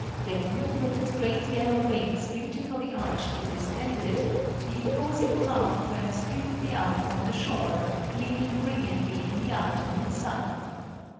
Then with its great yellow wings beautifully arched and distended, the imposing craft ran swiftly out from the shore, gleaming brilliantly in the afternoon sun.